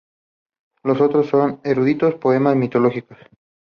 Los otros son eruditos poemas mitológicos.